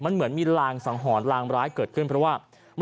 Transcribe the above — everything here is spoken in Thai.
มันเหมือนมีลางสังหรณ์ลางร้ายเกิดขึ้นเพราะว่า